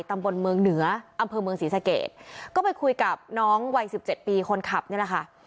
ตำบลเมืองเหนืออำเภอเมืองศรีสะเกดก็ไปคุยกับน้องวัยสิบเจ็ดปีคนขับนี่แหละค่ะ